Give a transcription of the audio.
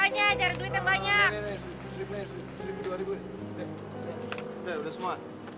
nih udah semua